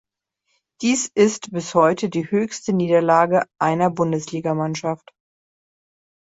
Dies ist bis heute die höchste Niederlage einer Bundesligamannschaft.